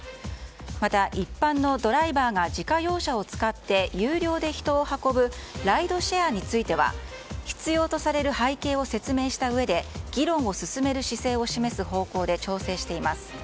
また一般のドライバーが自家用車を使って有料で人を運ぶライドシェアについては必要とされる背景を説明したうえで議論を進める姿勢を示す方向で調整を進めています。